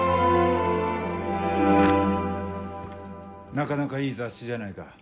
なかなかいい雑誌じゃないか。